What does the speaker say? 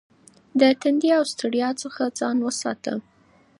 د تندې او ستړیا څخه ځان وساته.